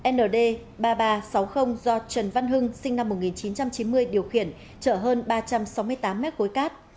nd ba nghìn ba trăm sáu mươi do trần văn hưng sinh năm một nghìn chín trăm chín mươi điều khiển chở hơn ba trăm sáu mươi tám mét khối cát